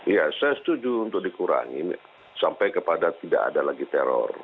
iya saya setuju untuk dikurangi sampai kepada tidak ada lagi teror